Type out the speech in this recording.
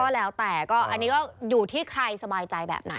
แล้วแต่ก็อันนี้ก็อยู่ที่ใครสบายใจแบบไหน